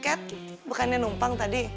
kak bukannya numpang tadi